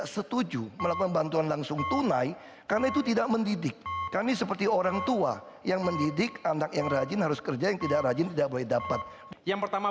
semakin menajamkan lagi kita akan bahas per tema